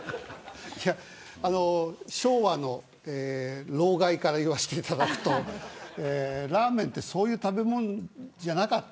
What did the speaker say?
昭和の老害から言わせていただくとラーメンってそういう食べ物じゃなかった。